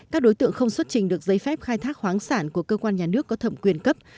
các đối tượng không xuất trình được giấy phép khai thác khoáng sản của cơ quan nhà nước có thẩm quyền cấp